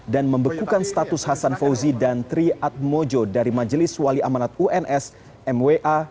dan membekukan status hasan fauzi dan triad mojo dari majelis wali amanat uns mwa